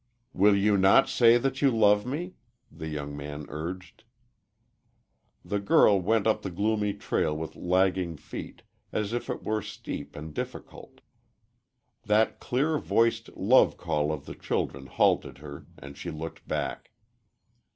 "Will you not say that you love me?" the young man urged. The girl went up the gloomy trail with lagging feet as if it were steep and difficult. That clear voiced love call of the children halted her, and she looked back.